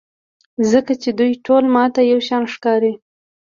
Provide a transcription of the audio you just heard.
ځکه چې دوی ټول ماته یوشان ښکاري.